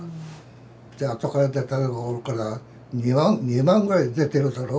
であとから出たのがおるから２万ぐらい出てるだろう